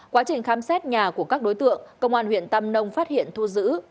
quá trình khám xét nhà của các đối tượng công an huyện tam nông phát hiện thu giữ